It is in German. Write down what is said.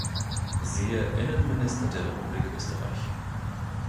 Siehe Innenminister der Republik Österreich.